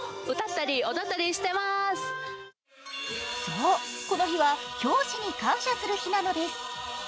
そう、この日は教師に感謝する日なんです。